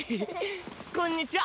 こんにちは。